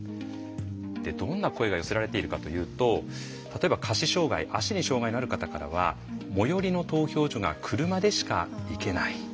でどんな声が寄せられているかというと例えば下肢障害足に障害のある方からは「最寄りの投票所が車でしか行けない」。